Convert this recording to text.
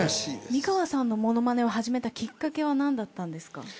美川さんのものまねを始めたきっかけはなんだったんですか？